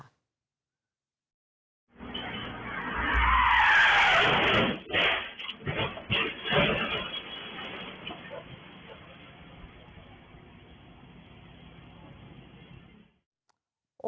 อฮอล์